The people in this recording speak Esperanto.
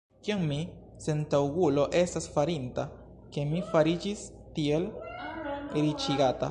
Kion mi, sentaŭgulo, estas farinta, ke mi fariĝis tiel riĉigata?